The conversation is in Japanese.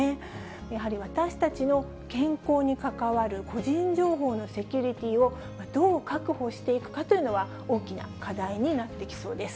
やはり私たちの健康に関わる個人情報のセキュリティーを、どう確保していくかというのは、大きな課題になってきそうです。